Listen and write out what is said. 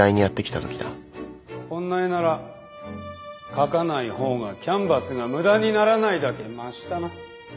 こんな絵なら描かない方がキャンバスが無駄にならないだけましだな